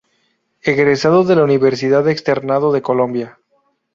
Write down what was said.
Egresado de la Universidad Externado de Colombia.